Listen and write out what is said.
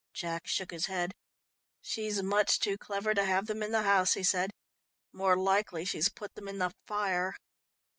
Jack shook his head. "She's much too clever to have them in the house," he said. "More likely she's put them in the fire."